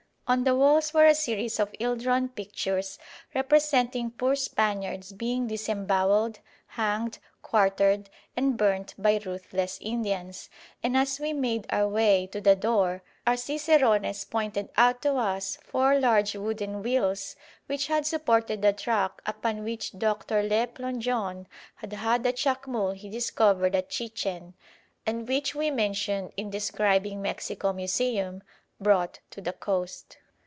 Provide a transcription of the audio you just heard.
On the walls were a series of ill drawn pictures representing poor (!) Spaniards being disembowelled, hanged, quartered, and burnt by ruthless Indians; and as we made our way to the door, our cicerones pointed out to us four large wooden wheels which had supported the truck upon which Dr. Le Plongeon had had the Chacmool he discovered at Chichen, and which we mentioned in describing Mexico Museum, brought to the coast.